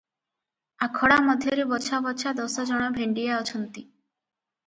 ଆଖଡା ମଧ୍ୟରେ ବଛା ବଛା ଦଶଜଣ ଭେଣ୍ଡିଆ ଅଛନ୍ତି ।